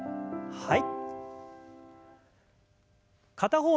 はい。